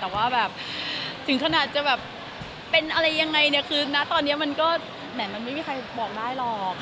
แต่ว่าแบบถึงขนาดจะแบบเป็นอะไรยังไงเนี่ยคือนะตอนนี้มันก็แหมมันไม่มีใครบอกได้หรอก